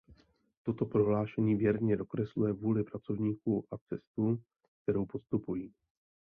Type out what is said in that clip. Toto prohlášení věrně dokresluje vůli pracovníků a cestu, kterou podstupují.